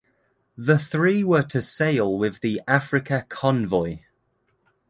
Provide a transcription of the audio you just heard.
The three were to sail with the Africa convoy.